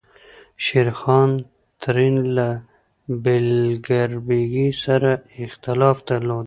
شېرخان ترین له بیګلربیګي سره اختلاف درلود.